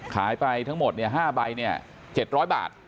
ขายไปทั้งหมด๕ใบ๗๐๐บาท